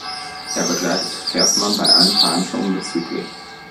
Er begleitete Versmann bei allen Verhandlungen bzgl.